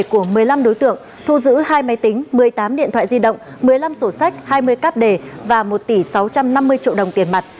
của một mươi năm đối tượng thu giữ hai máy tính một mươi tám điện thoại di động một mươi năm sổ sách hai mươi cáp đề và một tỷ sáu trăm năm mươi triệu đồng tiền mặt